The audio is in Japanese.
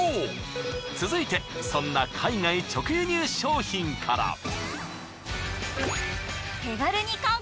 続いてそんな海外直輸入商品から。